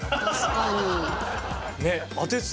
確かに。